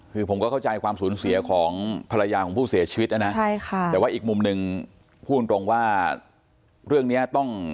คือผมก็เข้าใจความสูญเสียของภรรยาของผู้เสียชีวิตนะนะ